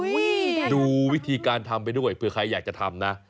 ดูวิธีการทำไปด้วยเผื่อใครอยากจะทำนะ